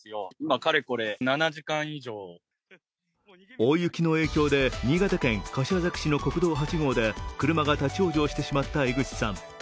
大雪の影響で新潟県柏崎市の国道８号で車が立往生してしまった江口さん。